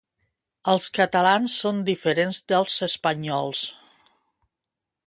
Els catalans són diferents dels espanyols.